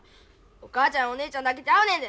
お母ちゃんやお姉ちゃんだけちゃうねんで。